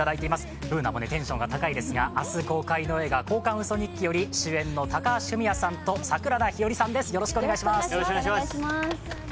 Ｂｏｏｎａもテンションが高いですが明日公開の映画「交換ウソ日記」より主演の高橋文哉さんと、桜田ひよりさんです。